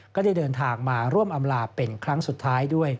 ก็ได้เดินทางมาร่วมอำลาเป็นครั้งสุดท้ายด้วย